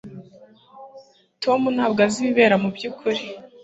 Tom ntabwo azi ibibera mubyukuri